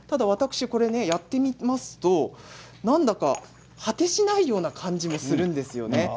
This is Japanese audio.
私もやってみますと、なんだか果てしないような感じがするんですよね。